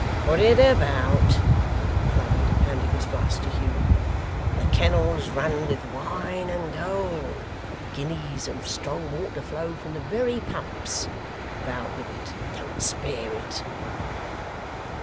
'Put it about!' he cried, handing his flask to Hugh. 'The kennels run with wine and gold. Guineas and strong water flow from the very pumps. About with it, don't spare it!